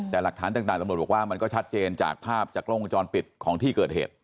แต่หลักฐานต่างตำรวจบอกว่ามันก็ชัดเจนจากภาพจากกล้องวงจรปิดของที่เกิดเหตุ